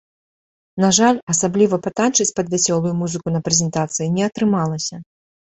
На жаль, асабліва патанчыць пад вясёлую музыку на прэзентацыі не атрымалася.